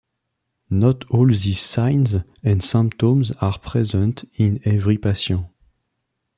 Not all these signs and symptoms are present in every patient.